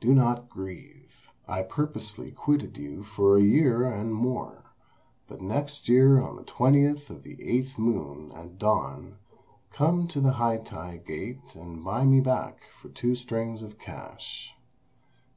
Do not grieve. I purposely quitted you for a year and more; but next year on the 20th of the eighth moon, at dawn, come to the Hai tai Gate and buy me back for two strings of cash."